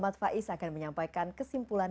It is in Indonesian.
bapak dan ibu yang dikirimkan